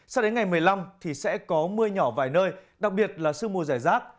sao đến ngày một mươi năm thì sẽ có mưa nhỏ vài nơi đặc biệt là sương mù giải rác